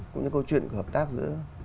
cũng như câu chuyện của hợp tác giữa